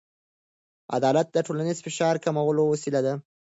عدالت د ټولنیز فشار کمولو وسیله ده.